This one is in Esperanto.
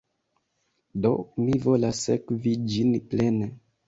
Do, mi volas sekvi ĝin plene